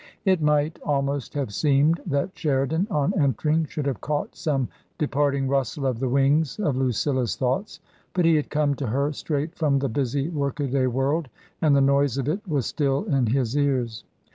It might almost have seemed that Sheridan on enter ing should have caught some departing rustle of the wings of Lucilla's thoughts ; but he had come to her straight from the busy work a day world, and the noise of it was still in his ears.